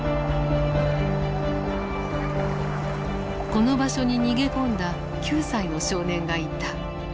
この場所に逃げ込んだ９歳の少年がいた。